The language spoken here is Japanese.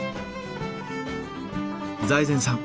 財前さん